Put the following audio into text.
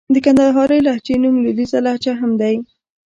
د کندهارۍ لهجې نوم لوېديځه لهجه هم دئ.